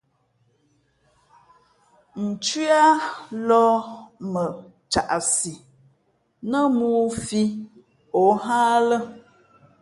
Nthʉǎ lōh mα caʼsi , nά mōō fī ǒ hά a lά.